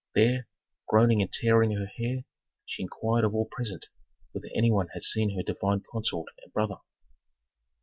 There, groaning and tearing her hair, she inquired of all present whether any one had seen her divine consort and brother.